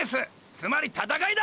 つまり「闘い」だ！！